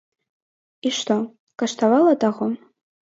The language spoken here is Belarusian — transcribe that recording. І што, каштавала таго?